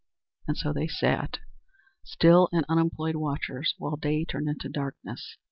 And so they sat, still and unemployed watchers, while day turned into darkness.